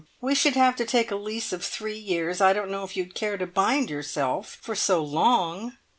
We should have to take a lease of three years. I don't know if you'd care to bind yourself for so long."